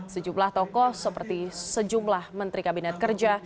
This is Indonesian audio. sejumlah tokoh seperti sejumlah menteri kabinet kerja